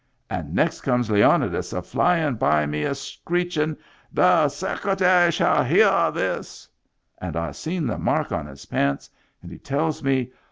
And next comes Leonidas a flyin' by me, a screechin', * The Secretary shall hear of this !' And I seen the mark on his pants and he tells me.